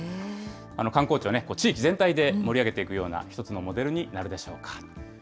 観光地を地域全体で盛り上げていくような、一つのモデルになるでしょうか。